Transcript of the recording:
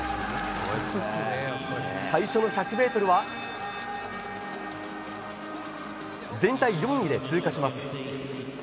最初の１００ｍは全体４位で通過します。